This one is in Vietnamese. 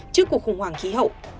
trước cuộc khủng hoảng khí hậu